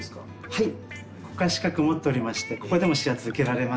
はい。